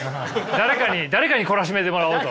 誰かに誰かに懲らしめてもらおうと。